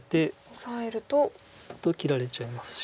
オサえると。と切られちゃいますし。